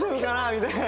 みたいな。